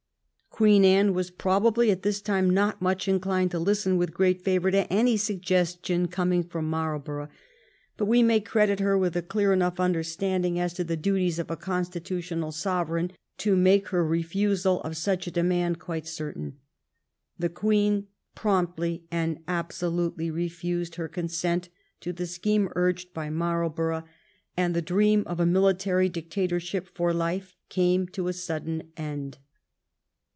Queen Anne was probably at this time not much inclined to listen with great favor to any suggestion coming from Marlborough, but we may credit her with a clear enough understanding as to the duties of a constitu tional sovereign to make her refusal of such a demand quite certain. The Queen promptly and absolutely refused her consent to the scheme urged by Marlbor ough, and the dream of a military dictatorship for life came to a sudden end.